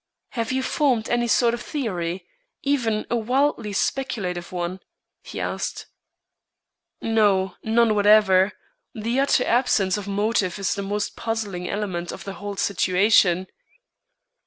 "Have you formed any sort of theory, even a wildly speculative one?" he asked. "No; none whatever. The utter absence of motive is the most puzzling element of the whole situation."